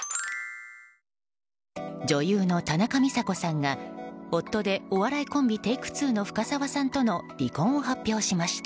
女優の田中美佐子さんが夫でお笑いコンビＴａｋｅ２の深沢さんとの離婚を発表しました。